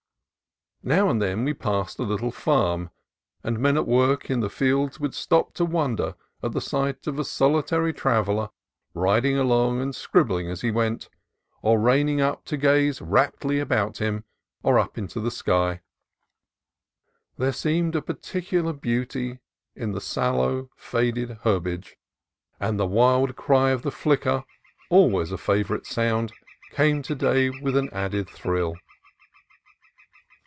Now and then we passed a little farm, and men at work in the fields would stop to wonder at the sight of a solitary traveller riding along and scribbling as he went, or reining up to gaze raptly about him or up into the sky. There seemed a peculiar beauty in the sal low, faded herbage, and the wild cry of the flicker, al ways a favorite sound, came to day with an added thrill.